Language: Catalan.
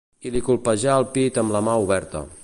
I li colpeja el pit amb la mà oberta.